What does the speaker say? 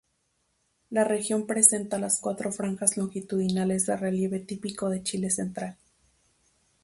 La región presenta las cuatro franjas longitudinales de relieve típicos de Chile Central.